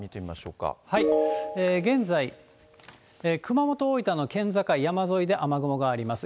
現在、熊本、大分の県境、山沿いで雨雲があります。